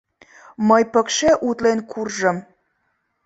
Мый пыкше утлен куржым!..